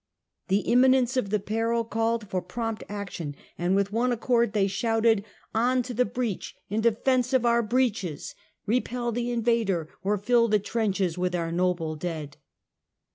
" The imminence of the peril called for prompt action, and with one accord they shouted, " On to the 8 114 Half a Centcet. breach, in defense of our breeches! Repel the invader or fill the trenches with our noble dead."